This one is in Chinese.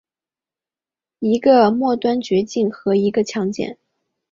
一个末端炔烃和一个强碱。